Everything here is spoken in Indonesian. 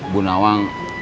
bu nawang itu beneran